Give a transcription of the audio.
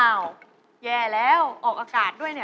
แย่แล้วออกอากาศด้วยเนี่ย